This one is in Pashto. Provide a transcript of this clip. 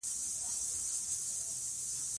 دا لار له هغې بلې لنډه ده.